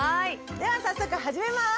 では早速始めます。